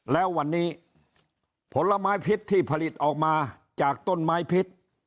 แล้ววันนี้ผลไม้พิษที่ผลิตออกมาจากต้นไม้พิษ